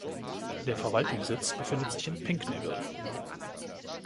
Der Verwaltungssitz befindet sich in Pinckneyville.